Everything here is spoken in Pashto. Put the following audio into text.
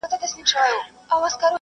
د مطالعې نسل به د جمود کنګل مات کړي.